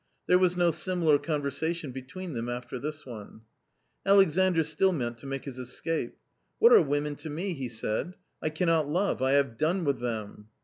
There was no similar conversation between them after this one. Alexandr still meant to make his escape. "What are women to me?" he said ;" I cannot love ; I have done with them."